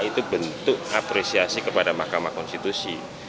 itu bentuk apresiasi kepada mahkamah konstitusi